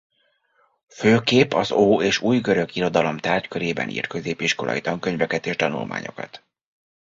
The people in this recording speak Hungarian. Főképp az ó- és újgörög irodalom tárgykörében írt középiskolai tankönyveket és tanulmányokat.